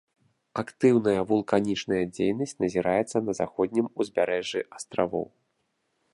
Актыўная вулканічная дзейнасць назіраецца на заходнім узбярэжжы астравоў.